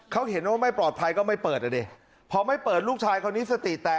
เขาเห็นว่าไม่ปลอดภัยก็ไม่เปิดนะดิพอไม่เปิดลูกชายคนนี้สติแตก